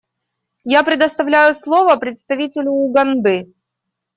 Я предоставляю слово представителю Уганды.